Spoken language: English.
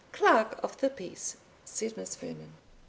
Clerk of the Peace," said Miss Vernon.